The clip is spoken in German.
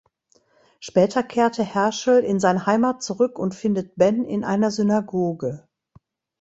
Später kehrt Herschel in seine Heimat zurück und findet Ben in einer Synagoge.